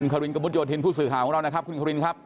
ครินกระมุดโยธินผู้สื่อข่าวของเรานะครับคุณควินครับ